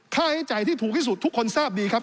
ค่าใช้จ่ายที่ถูกที่สุดทุกคนทราบดีครับ